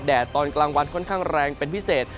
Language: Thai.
ตอนกลางวันค่อนข้างแรงเป็นพิเศษ